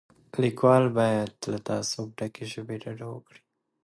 لیکوال باید له تعصب ډکې ژبې ډډه وکړي.